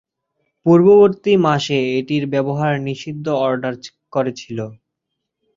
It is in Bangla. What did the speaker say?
পূর্ববর্তী মাসে এটির ব্যবহার নিষিদ্ধ অর্ডার করে ছিল।